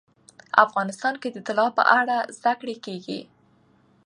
افغانستان کې د طلا په اړه زده کړه کېږي.